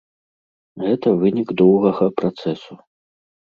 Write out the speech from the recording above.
Гэта вынік доўгага працэсу.